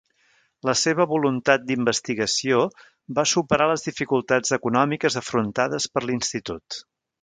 La seva voluntat d'investigació va superar les dificultats econòmiques afrontades per l'Institut.